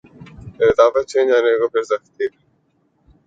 لطافت چھن جائے تو پھر سختی ہے۔